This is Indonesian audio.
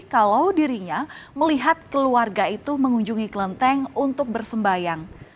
kalau dirinya melihat keluarga itu mengunjungi kelenteng untuk bersembayang